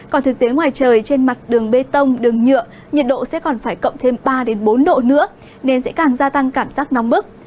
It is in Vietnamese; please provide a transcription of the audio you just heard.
còn thực tế ngoài trời trên mặt đường bê tông đường nhựa nhiệt độ sẽ còn phải cộng thêm ba bốn độ nữa nên sẽ càng gia tăng cảm giác nóng bức